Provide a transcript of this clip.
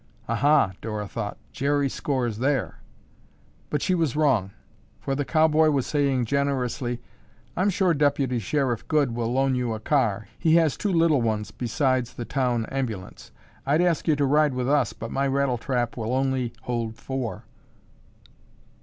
"Aha," Dora thought, "Jerry scores there." But she was wrong, for the cowboy was saying generously, "I'm sure Deputy Sheriff Goode will loan you a car. He has two little ones besides the town ambulance. I'd ask you to ride with us but my rattletrap will only hold four."